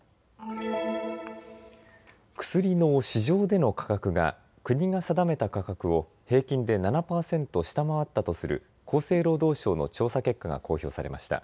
薬の市場での価格が国が定めた価格を平均で７％下回ったとする厚生労働省の調査結果が公表されました。